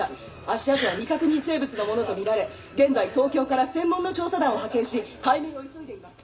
足跡は未確認生物のものとみられ現在東京から専門の調査団を派遣し解明を急いでいます。